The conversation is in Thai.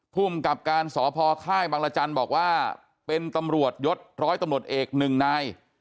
ภูมิกับการสพค่ายบังรจันทร์บอกว่าเป็นตำรวจยศร้อยตำรวจเอกหนึ่งนาย